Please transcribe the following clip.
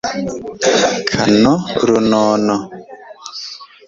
kona runono